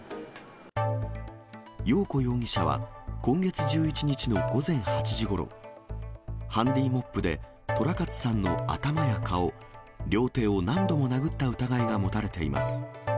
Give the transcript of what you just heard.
よう子容疑者は、今月１１日の午前８時ごろ、ハンディモップで寅勝さんの頭や顔、両手を何度も殴った疑いが持たれています。